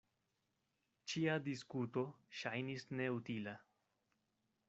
Ĉia diskuto ŝajnis neutila.